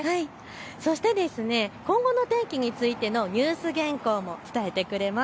そして今後の天気についてのニュース原稿も伝えてくれます。